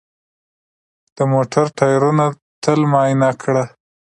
د موټر ټایرونه تل معاینه کړه.